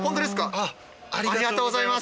ありがとうございます。